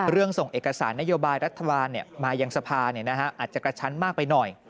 เรื่องส่งเอกสารนโยบายรัฐธรรมาศภาเนี่ยนะฮะอาจจะกระชั้นมากไปหน่อย